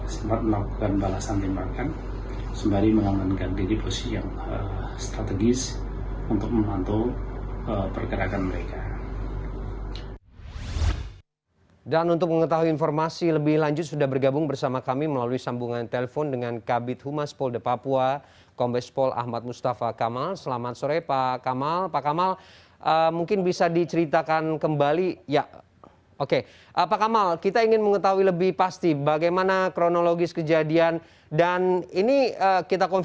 sejumlah rumah dan satu bangunan puskesmas menjadi target aksi pembakaran kelompok bersenjata lenis kogoya di distrik baya biru paniai papua pada sabtu sore pekan lalu